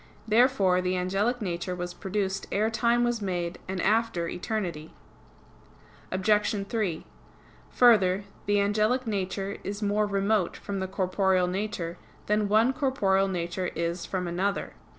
Therefore the angelic nature was produced ere time was made, and after eternity. Obj. 3: Further, the angelic nature is more remote from the corporeal nature than one corporeal nature is from another.